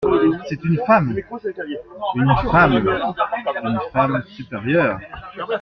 C'est une femme … une femme … une femme supérieure !